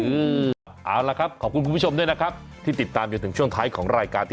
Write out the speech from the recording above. เอาละครับขอบคุณคุณผู้ชมด้วยนะครับที่ติดตามจนถึงช่วงท้ายของรายการที่